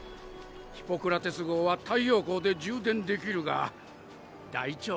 ヒポクラテス号は太陽光で充電できるが大腸内ではなぁ。